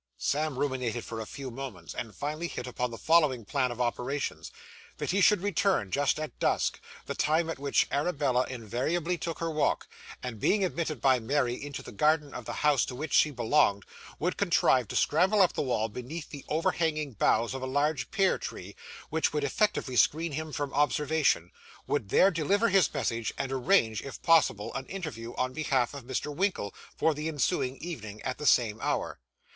Sam ruminated for a few moments, and finally hit upon the following plan of operations; that he should return just at dusk the time at which Arabella invariably took her walk and, being admitted by Mary into the garden of the house to which she belonged, would contrive to scramble up the wall, beneath the overhanging boughs of a large pear tree, which would effectually screen him from observation; would there deliver his message, and arrange, if possible, an interview on behalf of Mr. Winkle for the ensuing evening at the same hour.